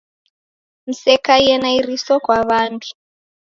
Msekaie na iriso kwa w'andu